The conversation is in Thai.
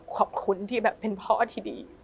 ขอบคุณที่แบบเป็นพ่อที่ดี